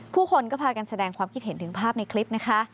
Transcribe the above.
ผู้คนก็พากันแสดงความคิดเห็นถึงภาพในคลิปนะคะ